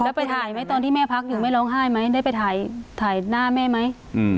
แล้วไปถ่ายไหมตอนที่แม่พักอยู่แม่ร้องไห้ไหมได้ไปถ่ายหน้าแม่ไหม